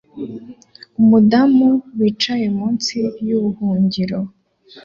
umudamu wicaye munsi yubuhungiro